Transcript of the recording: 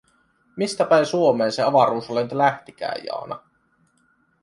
Mistä päi Suomee se avaruuslento lähtikää, Jaana?".